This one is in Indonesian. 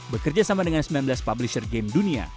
bekerja sama dengan sembilan belas publisher game dunia